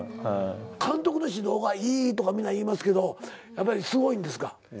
監督の指導がいいとかみんな言いますけどやっぱりすごいんですか？